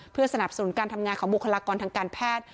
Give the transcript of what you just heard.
เพื่อสนับสนุนการทำงานของบุคลากรทางการแพทย์